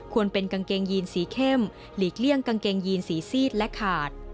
เป็นกางเกงยีนสีเข้มหลีกเลี่ยงกางเกงยีนสีซีดและขาด